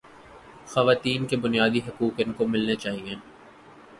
خواتین کے بنیادی حقوق ان کو ملنے چاہیے